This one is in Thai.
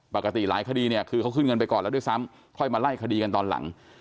ปกติหลายคดีเนี่ยคือเขาขึ้นเงินไปก่อนแล้วด้วยซ้ำค่อยมาไล่คดีกันตอนหลัง